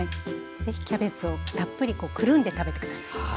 是非キャベツをたっぷりくるんで食べて下さい。